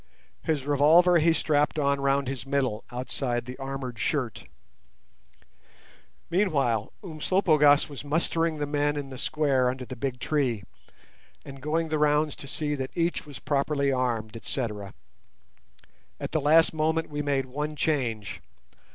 His revolver he strapped on round his middle outside the armoured shirt. Meanwhile Umslopogaas was mustering the men in the square under the big tree and going the rounds to see that each was properly armed, etc. At the last moment we made one change.